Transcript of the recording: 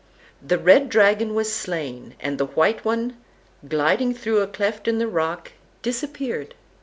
The red dragon was slain, and the white one, gliding through a cleft in the rock, disappeared.